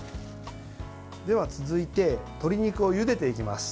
では続いて鶏肉をゆでていきます。